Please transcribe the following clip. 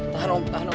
tahan om tahan om